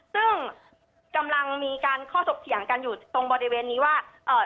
ซึ่งกำลังมีการข้อถกเถียงกันอยู่ตรงบริเวณนี้ว่าเอ่อ